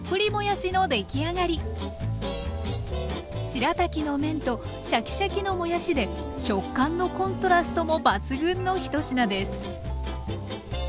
しらたきの麺とシャキシャキのもやしで食感のコントラストも抜群の１品です。